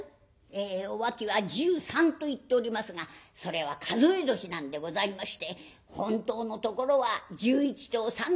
「えお秋は１３と言っておりますがそれは数え年なんでございまして本当のところは１１と３か月なんでございます。